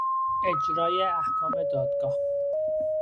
اجرای احکام دادگاه